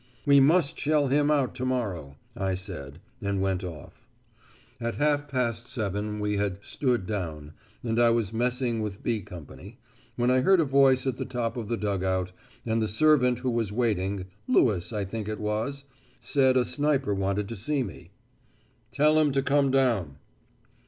"We must shell him out to morrow," I said, and went off. At half past seven we had "stood down," and I was messing with "B" Company, when I heard a voice at the top of the dug out, and the servant who was waiting Lewis, I think it was said a sniper wanted to see me. "Tell him to come down."